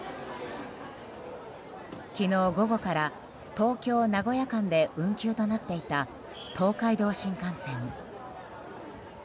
昨日午後から東京名古屋間で運休となっていた東海道新幹線。